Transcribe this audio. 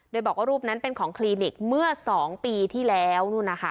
โดยบอกว่ารูปนั้นเป็นของคลินิกเมื่อ๒ปีที่แล้ว